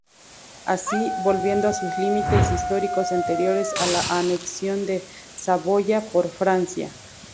Así, volviendo a sus límites históricos anteriores a la anexión de Saboya por Francia.